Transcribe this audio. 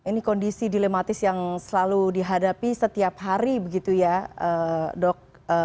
ini kondisi dilematis yang selalu dihadapi setiap hari begitu ya dok